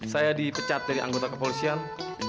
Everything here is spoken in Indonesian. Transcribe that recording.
saya dipecat dari anggota kepolisian